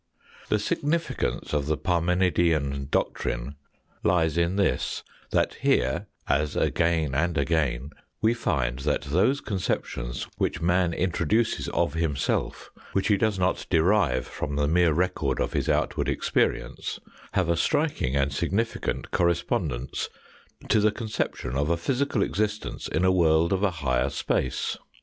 The significance of the Parmenidean doctrine lies in this that here, as again and again, we find that those con ceptions which man introduces of himself, which he does not derive from the mere record of his outward experience, have a striking and significant correspondence to the conception of a physical existence in a world of a higher space.